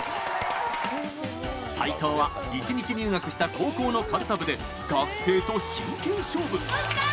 齋藤は一日入学した高校のかるた部で学生と真剣勝負。